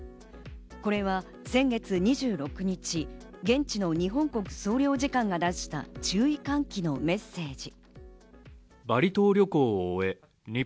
これは先月２６日、現地の日本国総領事館が出した注意喚起のメッセージ。